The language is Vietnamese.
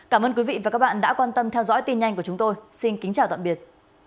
cảm ơn quý vị và các bạn đã quan tâm theo dõi tin nhanh của chúng tôi xin kính chào tạm biệt